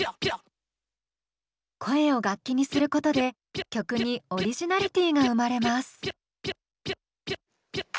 声を楽器にすることで曲にオリジナリティーが生まれます。